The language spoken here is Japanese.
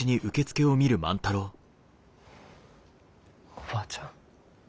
おばあちゃん。